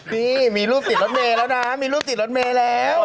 นี่มีรูปติดรถเมย์แล้วนะมีรูปติดรถเมย์แล้ว